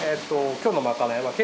今日のまかないは。